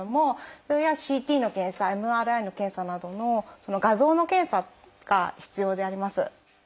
ＣＴの検査ＭＲＩの検査などの画像の検査が必要であります。